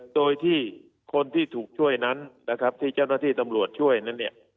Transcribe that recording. โดยที่คนที่ถูกช่วยนั้นนะครับที่เจ้าหน้าที่ตำรวจช่วยนั้นเนี่ย